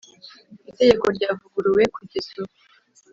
Itegeko ryavuguruwe kugeza ubu